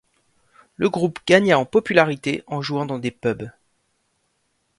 Le groupe gagna en popularité en jouant dans des pubs.